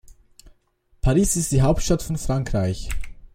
Paris ist die Hauptstadt von Frankreich.